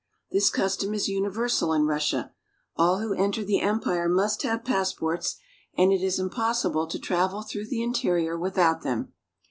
This custom is universal in Russia. All who enter the empire must have passports, and it is impossible to travel through the interior without them.